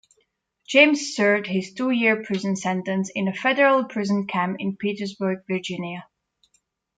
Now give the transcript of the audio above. James served his two-year prison sentence in a federal prison camp in Petersburg, Virginia.